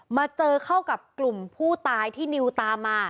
มาเจอเข้ากับกลุ่มผู้ตายที่นิวตามมา